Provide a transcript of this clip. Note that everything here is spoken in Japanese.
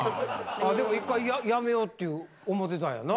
あでも１回やめよっていう思ってたんやな。